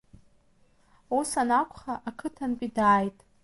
Ус анакәха, ақыҭантәи дааит!